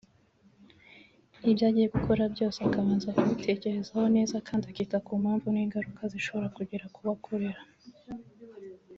ibyo agiye gukora byose akabanza kubitekerezaho neza kandi akita ku mpamvu n’ingaruka zishobora kugera kuwo akorera